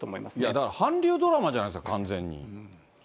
だから韓流ドラマじゃないですか、完全に。